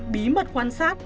bí mật quan sát